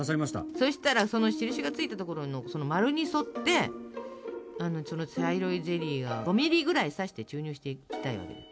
そしたら、その印がついたところの丸に沿って茶色いゼリーを５ミリぐらい刺して注入していきたいわけです。